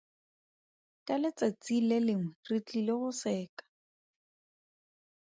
Ka letsatsi le lengwe re tlile go seka.